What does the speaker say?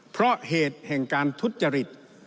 เพราะเหตุแห่งการทุจริต